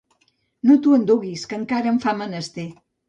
No t'ho enduguis, que encara em fa menester.